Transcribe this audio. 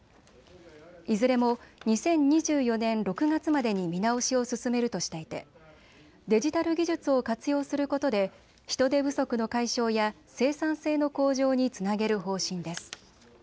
いずれも２０２４年６月までに見直しを進めるとしていてデジタル技術を活用することで人手不足の解消や生産性の向上につなげる方針です。